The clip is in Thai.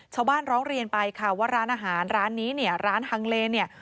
ชาวบ้านร้องเรียนไปค่ะว่าร้านอาหารร้านนี้เนี่ยร้านฮังเลเนี่ย